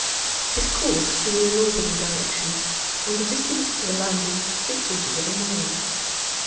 His course was in a northerly direction, and the distance to the landing three quarters of a mile.